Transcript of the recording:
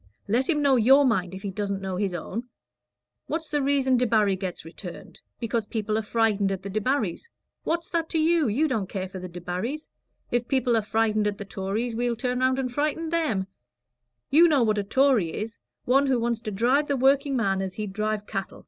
Let him know your mind if he doesn't know his own. What's the reason Debarry gets returned? Because people are frightened at the Debarrys. What's that to you? You don't care for the Debarrys. If people are frightened at the Tories, we'll turn round and frighten them. You know what a Tory is one who wants to drive the workingman as he'd drive cattle.